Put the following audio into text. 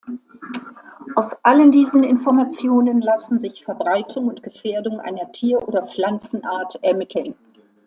Aus allen diesen Informationen lassen sich Verbreitung und Gefährdung einer Tier- oder Pflanzenart ermitteln.